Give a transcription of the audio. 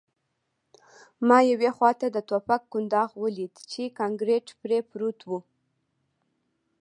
ما یوې خواته د ټوپک کنداغ ولید چې کانکریټ پرې پروت و